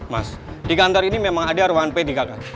mas di kantor ini memang ada ruangan pedi kakak